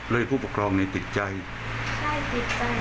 ร่อยผู้ปกครองเนี่ยติดใจคร่ายติดใจ